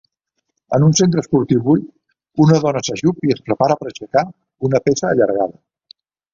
En un centre esportiu buit, una dona s'ajup i es prepara per aixecar una pesa allargada